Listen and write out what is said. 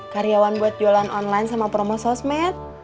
karyawan buat jualan online sama promo sosmed